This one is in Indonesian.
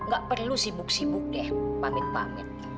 gak perlu sibuk sibuk deh pamit pamit